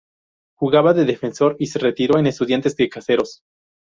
Jugaba de defensor y se retiró en Estudiantes de Caseros.